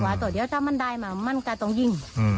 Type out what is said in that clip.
ว่าถ้ามันได้ก็ต้องยิง